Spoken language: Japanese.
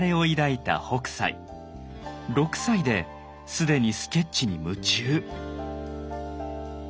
６歳で既にスケッチに夢中。